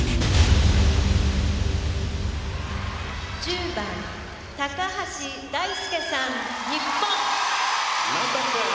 「１０番橋大輔さん日本」。